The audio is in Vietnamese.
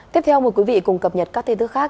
tiếp theo mời quý vị cùng cập nhật các tin tức khác